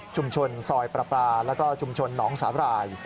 ชุมชนซอยประปราแล้วก็ชุมชนน้องสาวราย